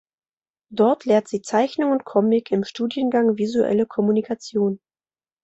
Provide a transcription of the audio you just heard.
Dort lehrt sie Zeichnung und Comic im Studiengang Visuelle Kommunikation.